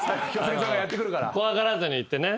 怖がらずにいってね。